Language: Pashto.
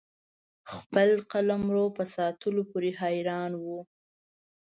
خپل قلمرو په ساتلو پوري حیران وو.